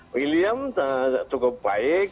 william cukup baik